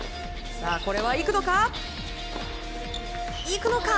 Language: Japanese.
これはいくのか。